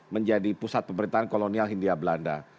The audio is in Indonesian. menjadi pusat pemerintahan kolonial hindia belanda